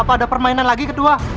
apa ada permainan lagi ketua